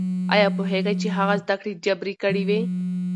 ايا پوهېږئ چې هغه زده کړې جبري کړې وې؟